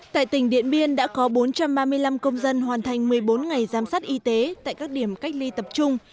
tại tỉnh điện biên đã có bốn trăm ba mươi năm công dân hoàn thành một mươi bốn ngày giám sát y tế tại các điểm cách ly tập trung